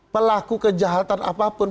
pelaku kejahatan apapun